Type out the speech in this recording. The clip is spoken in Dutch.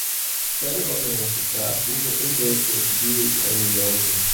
Verder was er nog de vraag hoeveel inbreukprocedures er nu lopen.